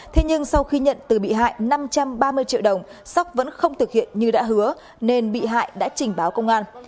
thế nhưng sau khi nhận từ bị hại năm trăm ba mươi triệu đồng sóc vẫn không thực hiện như đã hứa nên bị hại đã trình báo công an